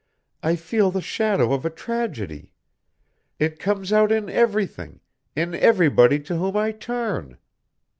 I feel the shadow of a tragedy. It comes out in everything, in everybody to whom I turn.